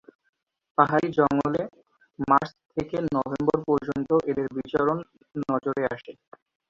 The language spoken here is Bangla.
পাহাড়ি জঙ্গলে মার্চ থেকে নভেম্বর পর্যন্ত এদের বিচরণ নজরে আসে।